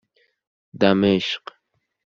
دمشق